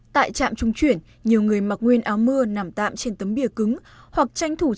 tại trạm trung chuyển nhiều người mặc nguyên áo mưa nằm tạm trên tấm bia cứng hoặc tranh thủ